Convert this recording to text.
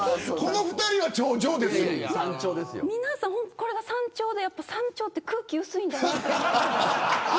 これが山頂で、やっぱ山頂って空気薄いんだなって。